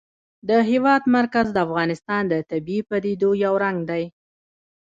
د هېواد مرکز د افغانستان د طبیعي پدیدو یو رنګ دی.